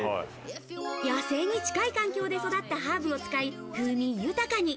野生に近い環境で育ったハーブを使い、風味豊かに。